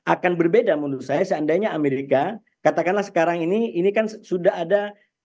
akan berbeda menurut saya seandainya amerika katakanlah sekarang ini ini kan sudah ada